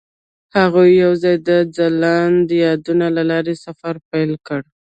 هغوی یوځای د ځلانده یادونه له لارې سفر پیل کړ.